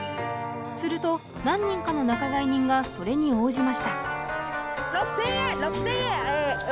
すると何人かの仲買人がそれに応じました。